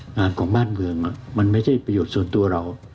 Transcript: งานของบ้านเมืองมันไม่ใช่ประโยชน์ส่วนตัวเรา